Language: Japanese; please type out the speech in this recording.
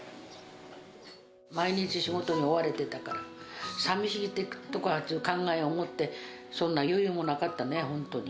毎日、仕事に追われてたから、寂しいって考えを持って、そんな余裕もなかったね、本当に。